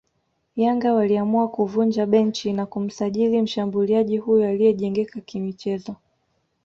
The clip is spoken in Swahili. Yanga waliamua kuvunja benchi na kumsajili mshambuliaji huyo aliyejengeka kimichezo